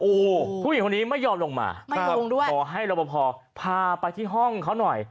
โอ้โหผู้หญิงคนนี้ไม่ยอมลงมาขอให้รบพอพาไปที่ห้องเขาหน่อย